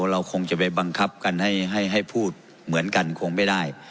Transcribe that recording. เราคงจะไปบังคับกันให้พูดเหมือนกันคงไม่ได้